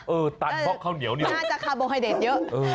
เออตัดม็อกข้าวเหนียวน่าจะคาร์โบไฮเดตเยอะ